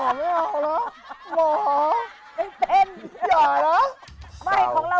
เรามีพวกศพหมู่ข้างหน้า